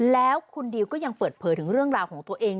แล้วคุณดิวก็ยังเปิดเผยถึงเรื่องราวของตัวเอง